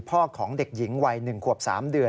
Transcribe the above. ของเด็กหญิงวัย๑ขวบ๓เดือน